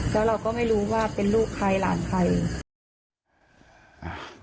แล้วเราก็ไม่รู้ว่าเป็นลูกใครหลานใคร